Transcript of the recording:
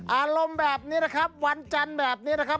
อารมณ์แบบนี้นะครับวันจันทร์แบบนี้นะครับ